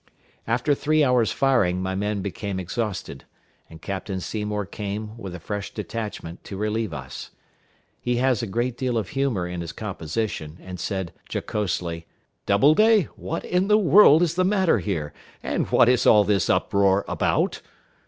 After three hours' firing, my men became exhausted, and Captain Seymour came, with a fresh detachment, to relieve us. He has a great deal of humor in his composition, and said, jocosely, "Doubleday, what in the world is the matter here, and what is all this uproar about?"